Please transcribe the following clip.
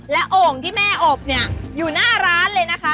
โอ่งที่แม่อบเนี่ยอยู่หน้าร้านเลยนะคะ